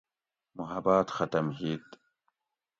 محبات ختم ھیت